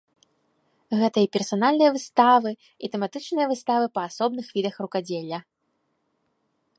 Гэта і персанальныя выставы, і тэматычныя выставы па асобных відах рукадзелля.